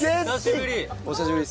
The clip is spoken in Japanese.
久しぶり